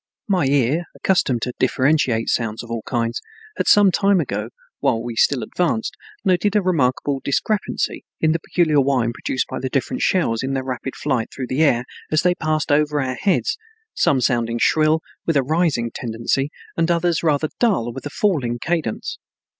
My ear, accustomed to differentiate sounds of all kinds, had some time ago, while we still advanced, noted a remarkable discrepancy in the peculiar whine produced by the different shells in their rapid flight through the air as they passed over our heads, some sounding shrill, with a rising tendency, and the others rather dull, with a falling cadence.